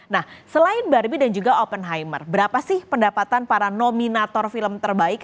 nah selain barbie dan juga open hoymer berapa sih pendapatan para nominator film terbaik